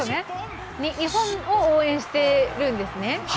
日本を応援しているんですね。